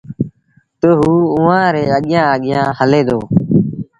تا اوٚ اُئآݩٚ ري اڳيآنٚ اڳيآنٚ هلي دو